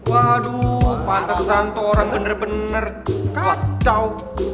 waduh pantas santoran bener bener kacau